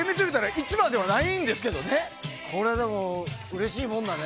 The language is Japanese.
これはうれしいもんだね。